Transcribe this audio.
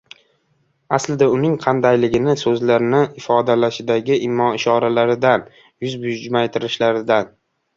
aslida uning qandayligini so‘zlarini ifodalashdagi imo-ishoralaridan, yuz bujmaytirishlaridan